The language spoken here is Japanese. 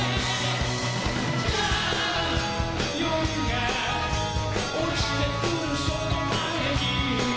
「ＪＵＭＰ夜が落ちてくるその前に」